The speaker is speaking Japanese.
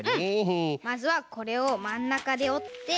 まずはこれをまんなかでおって。